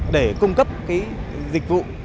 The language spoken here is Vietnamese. để cung cấp cái dịch vụ